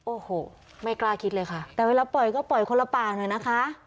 โอ้โหไม่กล้าคิดเลยค่ะแต่เวลาปล่อยก็ปล่อยคนละปากหน่อยนะคะ